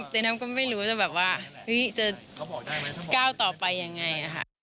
แต่น้ำก็ไม่รู้จะแบบว่าจะก้าวต่อไปยังไงค่ะ